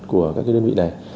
của các cái đơn vị này